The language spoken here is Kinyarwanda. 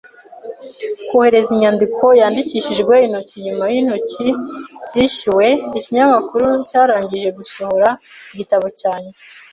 Kohereza inyandiko yandikishijwe intoki nyuma yintoki zishyuwe. Ikinyamakuru cyarangije gusohora igitabo cyanjye.